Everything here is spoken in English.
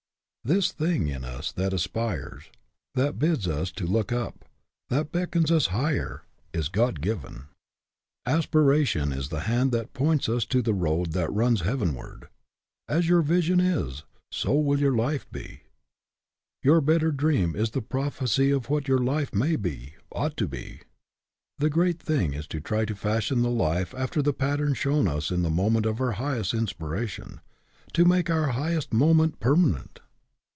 This thing in us that aspires, that bids us to look tup, that beckons us higher, is God given. WORLD OWES TO DREAMERS 75 Aspiration is the hand that points us to the road that runs heavenward. As your vision is, so will your life be. Your better dream is the prophecy of what your life may be, ought to be. The great thing is to try to fashion the life after the pattern shown us in the moment of our highest inspiration; to make our highest moment permanent.